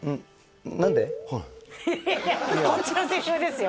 はいいやいやこっちのセリフですよ